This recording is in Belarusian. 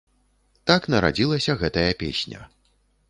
Так нарадзілася гэтая песня.